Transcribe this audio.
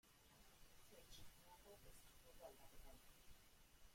Aplikazioa itxita dago eta ezin dugu aldaketarik egin.